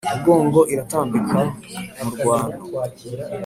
umugongo iratambika mu rwano.